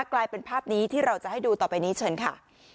กลายเป็นภาพนี้ที่เราจะให้ดูต่อไปนี้เชิญค่ะ